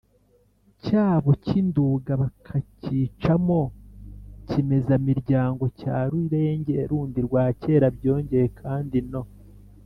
cyabo cy’induga bakacyicamo kimezamiryango cya rurenge rundi rwa kera. byongeye kandi no